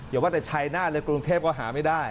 อย่าว่าแต่ชัยนาศเลยกรุงเทพก็หาไม่ได้